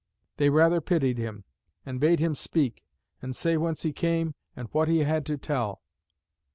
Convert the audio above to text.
they rather pitied him, and bade him speak, and say whence he came and what he had to tell.